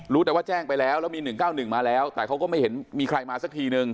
รู้แต่ว่าแจ้งไปแล้วแล้วมีหนึ่งเก้าหนึ่งมาแล้วแต่เขาก็ไม่เห็นมีใครมาสักทีหนึ่ง